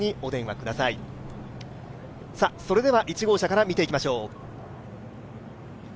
１号車から見ていきましょう。